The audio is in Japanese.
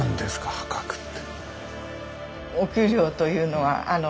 破格って。